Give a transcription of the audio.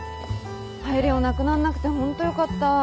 パイレオなくなんなくてホントよかった。